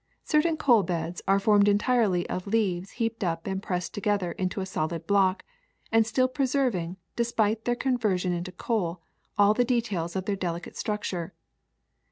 Certain coal beds are formed entirely of leaves heaped up and pressed to gether into a solid block, and still preserving, despite their conversion into coal, all the details of their delicate structure.